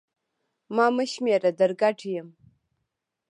ما مه شمېره در ګډ یم